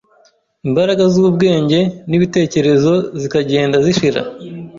imbaraga z’ubwenge n’ibitekerezo zikagenda zishira.